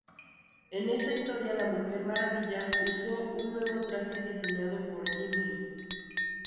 En esta historia, la Mujer Maravilla usó un nuevo traje diseñado por Jim Lee.